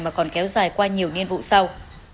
mà còn kéo dài qua nhiều niên vụ sau